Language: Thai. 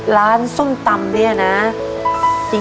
ร้านส้มตำได้ไหม